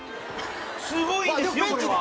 すごいんですよこれは！